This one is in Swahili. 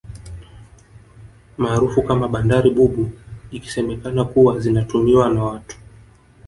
Maarufu kama bandari bubu ikisemekana kuwa zinatumiwa na watu